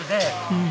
うん！